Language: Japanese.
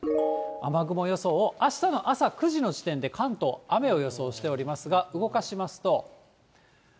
雨雲予想を、あしたの朝９時の時点で、関東、雨を予想しておりますが、動かしますと。